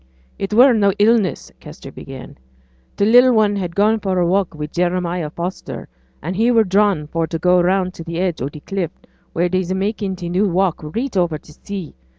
'It were no illness,' Kester began. 'T' little un had gone for a walk wi' Jeremiah Foster, an' he were drawn for to go round t' edge o' t' cliff, wheere they's makin' t' new walk reet o'er t' sea.